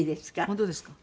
本当ですか。